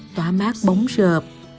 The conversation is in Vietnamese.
tỏa mát bóng rợp